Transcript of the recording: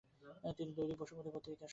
তিনি দৈনিক বসুমতী পত্রিকার সম্পাদনা করেছেন।